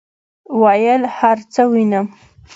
ویل هرڅه وینم،